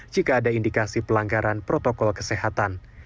jika ada indikasi pelanggaran protokol kesehatan